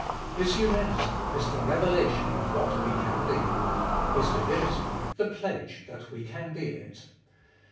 His humanity is the revela tion of what we can be ; His divinity the pledge that we can be it.